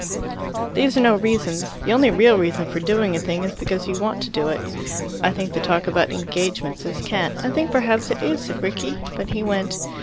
"These are no reasons. The only real reason for doing a thing is because you want to do it. I think the talk about 'engagements' is cant." "I think perhaps it is," said Rickie. But he went.